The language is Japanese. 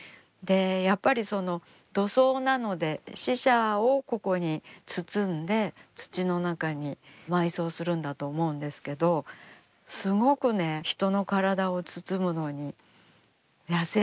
やっぱり土葬なので死者をここに包んで土の中に埋葬するんだと思うんですけどすごくね人の体を包むのに野性的な。